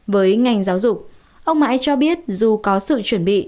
với ngành giáo dục ông mãi cho biết dù có sự chuẩn bị